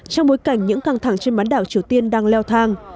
trong bối cảnh những căng thẳng trên bán đảo triều tiên đang leo thang